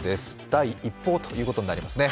第一報ということになりますね。